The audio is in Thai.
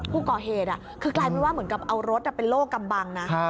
ผู้ก่อเหตุคือกลายเป็นว่าเหมือนกับเอารถเป็นโลกกำบังนะ